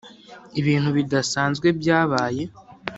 ibintu bidasanzwe byabaye.